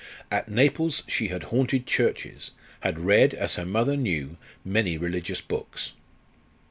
At Naples she had haunted churches; had read, as her mother knew, many religious books.